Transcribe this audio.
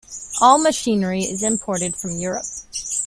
All machinery is imported from Europe.